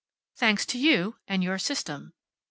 "Thanks to you and your system."